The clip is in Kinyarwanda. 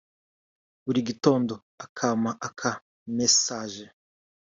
buri gitondo akampa aka message